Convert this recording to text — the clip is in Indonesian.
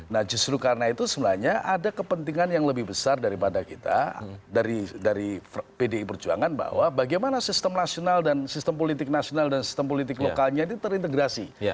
nah justru karena itu sebenarnya ada kepentingan yang lebih besar daripada kita dari pdi perjuangan bahwa bagaimana sistem nasional dan sistem politik nasional dan sistem politik lokalnya itu terintegrasi